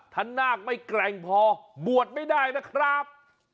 ถ้านาคไม่แกร่งพอบวชไม่ได้นะครับ